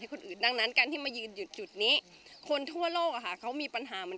คนอื่นดังนั้นการที่มายืนจุดนี้คนทั่วโลกอะค่ะเขามีปัญหาเหมือน